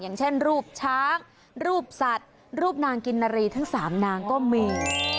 อย่างเช่นรูปช้างรูปสัตว์รูปนางกินนารีทั้ง๓นางก็มี